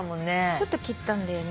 ちょっと切ったんだよね。